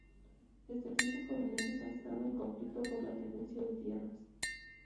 Desde tiempos coloniales han estado en conflicto por la tenencia de tierras.